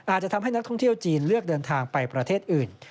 อาจจะทำให้นักท่องเที่ยวจีนเลือกเดินทางไปประเทศอื่น